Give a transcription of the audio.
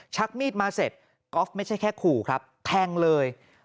ชักมีดมาเสร็จก๊อฟไม่ใช่แค่ขู่ครับแทงเลย